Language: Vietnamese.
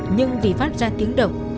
nhưng vì phát ra tiếng động